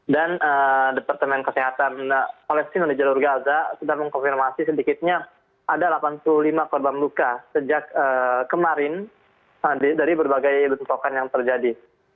dan departemen kesehatan palestina di jalur gaza sudah mengkonfirmasi sedikitnya ada delapan puluh lima korban luka sejak kemarin dari berbagai bentrokan yang terjadi